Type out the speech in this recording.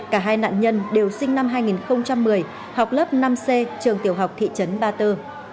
cả hai nạn nhân đều sinh năm hai nghìn một mươi học lớp năm c trường tiểu học thị trấn ba tơ